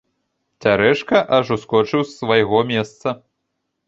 Цярэшка аж ускочыў з свайго месца.